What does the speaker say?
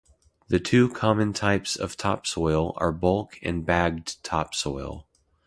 The two common types of Topsoil are Bulk and Bagged Topsoil.